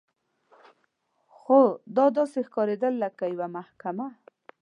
خو دا داسې ښکارېدل لکه یوه محکمه.